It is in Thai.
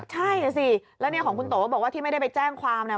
ใช่สิแล้วเนี่ยของคุณโตบอกว่าที่ไม่ได้ไปแจ้งความเนี่ย